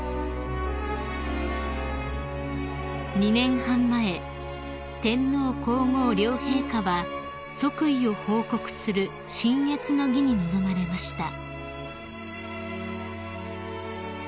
［２年半前天皇皇后両陛下は即位を報告する親謁の儀に臨まれました］